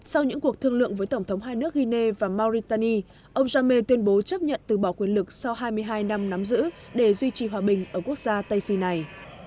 sau những cuộc thương lượng với tổng thống hai nước guinea và mauritani ông jame tuyên bố chấp nhận từ bỏ quyền lực sau hai mươi hai năm nắm giữ để duy trì hòa bình ở quốc gia tây phi này